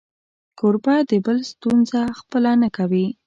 کوربه د بل ستونزه خپله نه کوي.